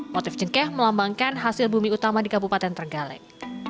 motif cengkeh melambangkan hasil bumi utama di kabupaten trenggalek